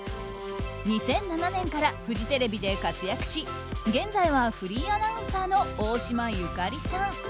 ２００７年からフジテレビで活躍し現在はフリーアナウンサーの大島由香里さん。